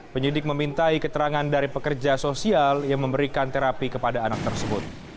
penyidik memintai keterangan dari pekerja sosial yang memberikan terapi kepada anak tersebut